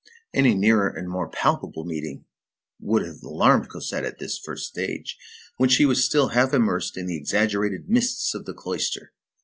Any nearer and more palpable meeting would have alarmed Cosette at this first stage, when she was still half immersed in the exaggerated mists of the cloister.